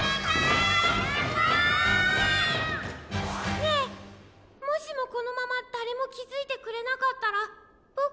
ねえもしもこのままだれもきづいてくれなかったらボク